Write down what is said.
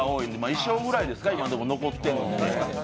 衣装ぐらいですか、今のところ残ってるの。